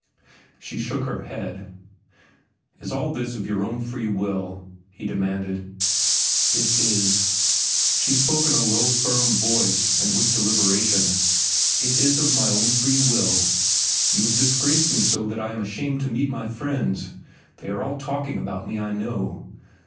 She shook her head. "Is all this of your own free will?" he demanded. "It is." She spoke in a low, firm voice and with deliberation. "It is of my own free will. You have disgraced me so that I am ashamed to meet my friends. They are all talking about me, I know.